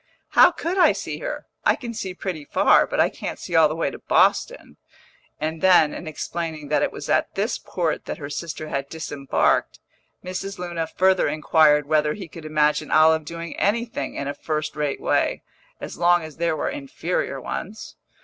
"How could I see her? I can see pretty far, but I can't see all the way to Boston." And then, in explaining that it was at this port that her sister had disembarked, Mrs. Luna further inquired whether he could imagine Olive doing anything in a first rate way, as long as there were inferior ones.